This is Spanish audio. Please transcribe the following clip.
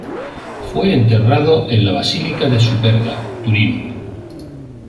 Fue enterrado en la Basílica de Superga, Turín.